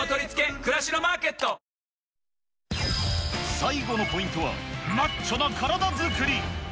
最後のポイントは、マッチョな体作り。